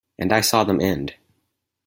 And I saw them end.